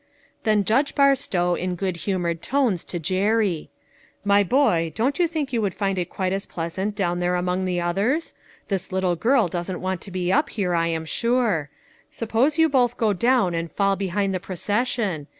Then Judge Barstow in good humored tones to Jerry :" My boy, don't you think you would find it quite as pleasant down there among the others? This little girl doesn't want to be up here, I am sure ; suppose you both go down and fall behind the procession?